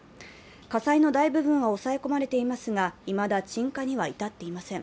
火災の大部分は抑え込まれていますがいまだ鎮火には至っていません。